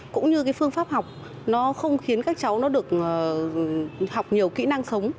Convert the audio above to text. cũng như cái phương pháp học nó không khiến các cháu nó được học nhiều kỹ năng sống